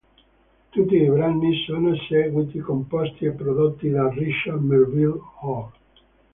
Tutti i brani sono eseguiti, composti e prodotti da Richard melville Hall.